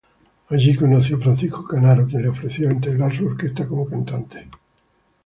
Allí conoció a Francisco Canaro quien le ofreció integrar su orquesta como cantante.